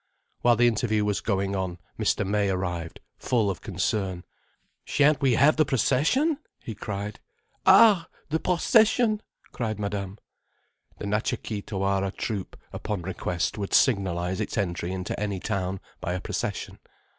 While the interview was going on, Mr. May arrived, full of concern. "Shan't we have the procession!" he cried. "Ah, the procession!" cried Madame. The Natcha Kee Tawara Troupe upon request would signalize its entry into any town by a procession.